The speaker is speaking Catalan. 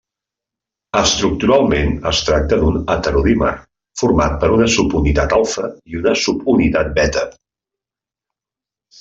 Estructuralment es tracta d'un heterodímer, format per una subunitat alfa i una subunitat beta.